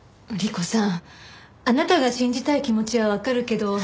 莉子さんあなたが信じたい気持ちはわかるけど。